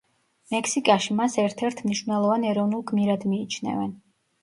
მექსიკაში მას ერთ-ერთ მნიშვნელოვან ეროვნულ გმირად მიიჩნევენ.